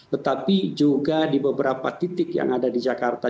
tetapi juga di beberapa titik yang ada di jakarta